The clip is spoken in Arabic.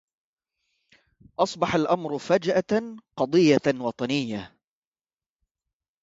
أصبح الأمر فجأة قضية وطنية.